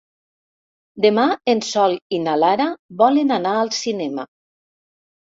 Demà en Sol i na Lara volen anar al cinema.